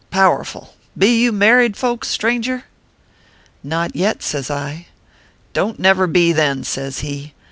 Powerful ! Be you married folks, stranger ?"" Not yet," says I. "Don t never be then," says he.